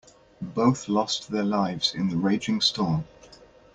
Both lost their lives in the raging storm.